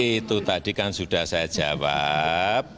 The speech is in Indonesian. itu tadi kan sudah saya jawab